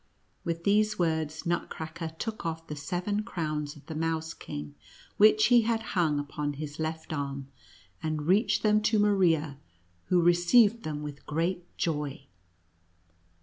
With these words, Nut cracker took off the seven crowns of the Mouse King, which he had hung upon his left arm, and reached them to Maria, who received them with great joy.